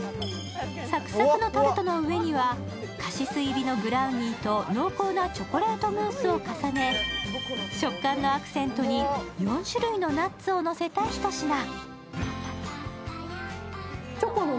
サクサクのタルトの上にはカシス入りのブラウニーと濃厚なチョコレートムースを重ね食感のアクセントに４種類のナッツをのせたひと品。